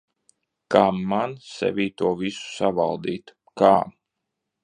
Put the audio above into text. Kā man sevī to visu savaldīt? Kā?